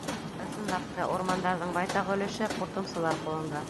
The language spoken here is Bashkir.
— Ысынлап та, урмандарҙың байтаҡ өлөшө — ҡуртымсылар ҡулында.